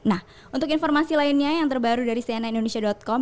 nah untuk informasi lainnya yang terbaru dari cnnindonesia com